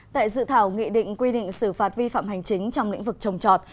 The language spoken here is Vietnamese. tại dự thảo nghị định quy định xử phạt vi phạm hành chính trong lĩnh vực trồng trọt